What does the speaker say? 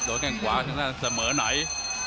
โดนแข้งขวาเสมอไหน